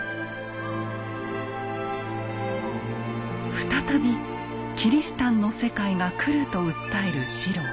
再びキリシタンの世界が来ると訴える四郎。